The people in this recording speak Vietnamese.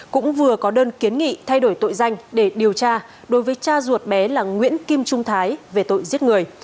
cũng vừa có đơn kiến nghị thay đổi tội danh để điều tra đối với cha ruột bé là nguyễn kim trung thái về tội giết người